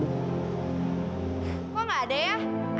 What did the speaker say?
kok nggak ada ya